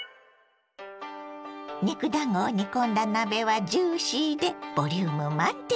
肉だんごを煮込んだ鍋はジューシーでボリューム満点。